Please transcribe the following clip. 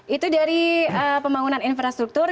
itu dari pembangunan infrastruktur